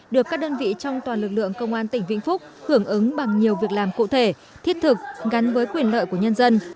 được các đơn vị trong toàn lực lượng công an tỉnh vĩnh phúc hưởng ứng bằng nhiều việc làm cụ thể thiết thực gắn với quyền lợi của nhân dân